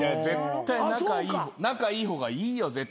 仲いい方がいいよ絶対。